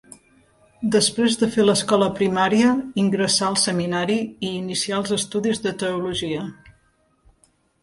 Després de fer l'escola primària ingressà al seminari i inicià els estudis de teologia.